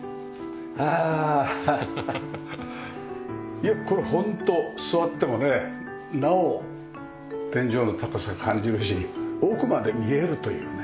いやこれホント座ってもねなお天井の高さを感じるし奥まで見えるというね。